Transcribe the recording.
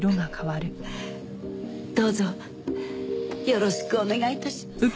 どうぞよろしくお願い致します。